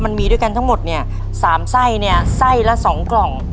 มันมีด้วยกันทั้งหมดเนี่ย๓ไส้เนี่ยไส้ละ๒กล่อง